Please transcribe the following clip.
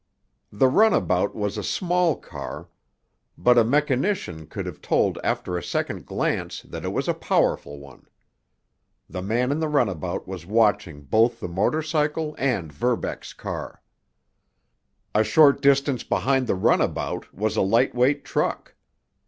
The runabout was a small car, but a mechanician could have told after a second glance that it was a powerful one. The man in the runabout was watching both the motor cycle and Verbeck's car. A short distance behind the runabout was a lightweight truck.